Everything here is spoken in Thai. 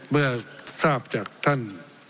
เมื่อทราบจากท่าน